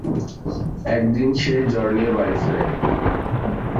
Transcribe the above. একদিন সে জ্বর নিয়ে বাড়ি ফেরে।